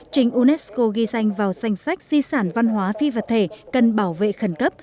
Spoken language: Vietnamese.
trình unesco ghi danh vào danh sách di sản văn hóa phi vật thể cần bảo vệ khẩn cấp